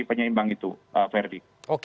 penyeimbang itu verdi